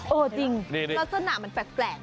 เออจริงลักษณะมันแปลก